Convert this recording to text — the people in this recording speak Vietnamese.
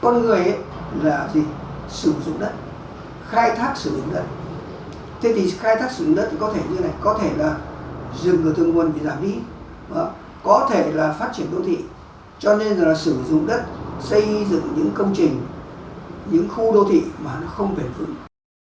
con người là gì sử dụng đất khai thác sử dụng đất thế thì khai thác sử dụng đất có thể như thế này có thể là dừng người thương quân vì giảm lý có thể là phát triển đô thị cho nên là sử dụng đất xây dựng những công trình những khu đô thị mà nó không bền vững